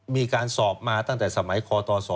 มีการสอบมาตั้งแต่สมัยคต๒